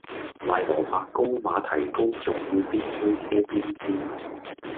賣蘿蔔糕馬蹄糕仲要邊推車邊煎